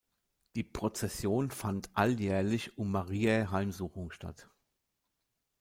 Die Prozession fand alljährlich um Mariä Heimsuchung statt.